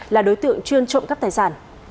là đối tượng chuyên trộm các tài sản